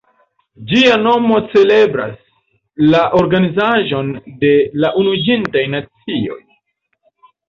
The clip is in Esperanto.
Ĝia nomo celebras la organizaĵon de la Unuiĝintaj Nacioj.